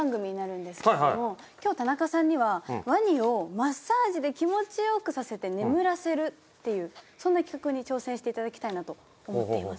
今日田中さんにはワニをマッサージで気持ち良くさせて眠らせるっていうそんな企画に挑戦して頂きたいなと思っています。